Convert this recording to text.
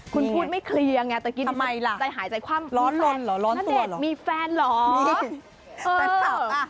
คุณพูดไม่เคลียงแต่กินได้หายใจความร้อนตัวเหรอนัดเดชน์มีแฟนเหรอมีแฟนคลับ